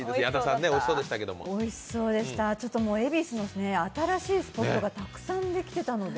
恵比寿の新しいスポットがたくさんできていたので。